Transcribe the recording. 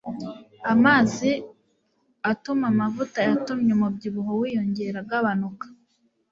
Amazi atuma mavuta yatumye umubyibuho wiyongera agabanuka